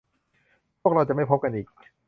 พวกเราจะไม่พบกันอีก